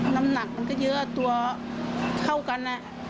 น้ำหนักมันก็เยอะตัวเท่ากัน